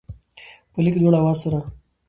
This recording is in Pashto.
په لږ لوړ اواز سره